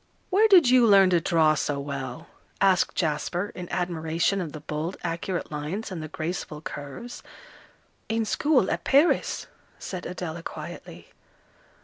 "Where did you learn to draw so well?" asked Jasper, in admiration of the bold, accurate lines, and the graceful curves. "In school, at Paris," said Adela, quietly.